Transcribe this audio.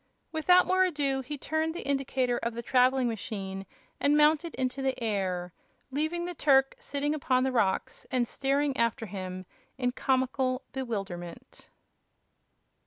Without more ado, he turned the indicator of the traveling machine and mounted into the air, leaving the Turk sitting upon the rocks and staring after him in comical bewilderment.